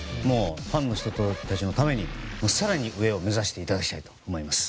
ファンの人たちのために更に上を目指していただきたい。